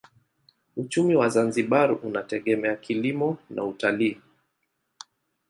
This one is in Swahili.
Uchumi wa Zanzibar unategemea kilimo na utalii.